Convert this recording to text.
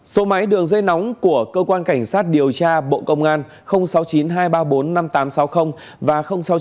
số máy đường dây nóng của cơ quan cảnh sát điều tra bộ công an sáu mươi chín hai trăm ba mươi bốn năm nghìn tám trăm sáu mươi và sáu mươi chín hai trăm ba mươi một một nghìn sáu trăm sáu mươi